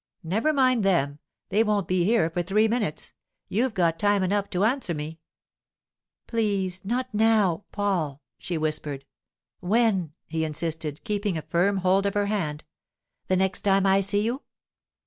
'Never mind them. They won't be here for three minutes. You've got time enough to answer me.' 'Please, not now—Paul,' she whispered. 'When?' he insisted, keeping a firm hold of her hand. 'The next time I see you?